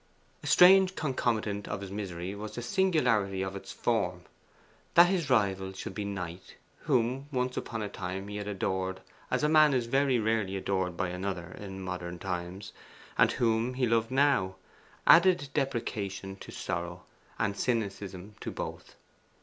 A strange concomitant of his misery was the singularity of its form. That his rival should be Knight, whom once upon a time he had adored as a man is very rarely adored by another in modern times, and whom he loved now, added deprecation to sorrow, and cynicism to both.